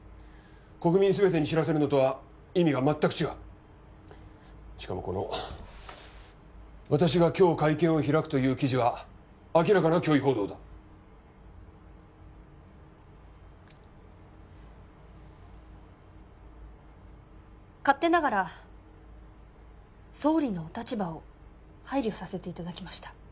国民すべてに知らせるのとは意味が全く違うしかもこの私が今日会見を開くという記事は明らかな虚偽報道だ勝手ながら総理のお立場を配慮させていただきました